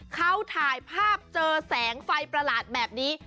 เขาถ่ายภาพเจอแสงไฟประหลาดแบบนี้